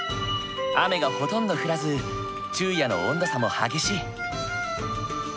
雨がほとんど降らず昼夜の温度差も激しい。